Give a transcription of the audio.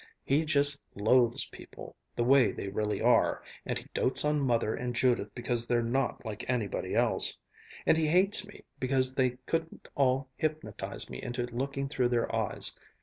He just loathes people the way they really are and he dotes on Mother and Judith because they're not like anybody else. And he hates me because they couldn't all hypnotize me into looking through their eyes.